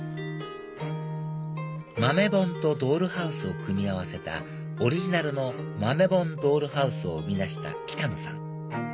豆本とドールハウスを組み合わせたオリジナルの豆本ドールハウスを生み出した北野さん